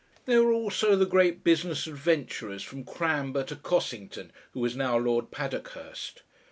There were also the great business adventurers, from Cranber to Cossington (who was now Lord Paddockhurst).